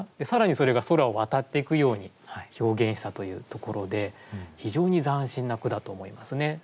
更にそれが空を渡っていくように表現したというところで非常に斬新な句だと思いますね。